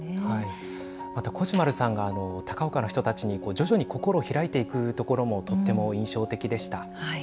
またコチュマルさんが高岡の人たちに徐々に心を開いていくところもとっても印象的でした。